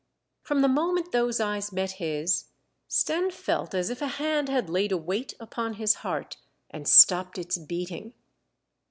From the moment those eyes met his, Stenne felt as if a hand had laid a weight upon his heart and stopped its beating.